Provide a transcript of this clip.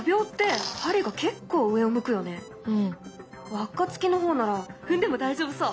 輪っか付きの方なら踏んでも大丈夫そう。